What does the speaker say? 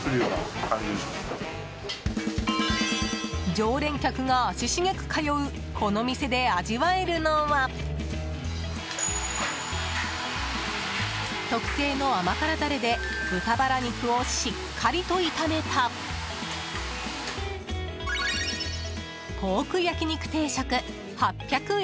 常連客が足しげく通うこの店で味わえるのは特製の甘辛ダレで豚バラ肉をしっかりと炒めたポーク焼肉定食、８００円。